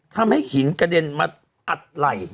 ทำให้หินกระเด็นมาอัดไหล่